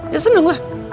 ya seneng lah